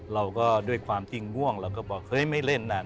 เราก็ด้วยความจริงง่วงเราก็บอกเฮ้ยไม่เล่นน่ะ